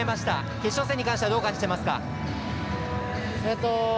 決勝戦に関してはどう感じてますか？